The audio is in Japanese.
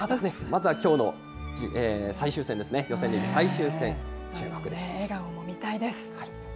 まずはきょうの最終戦ですね、予選リーグ最終戦、注目です。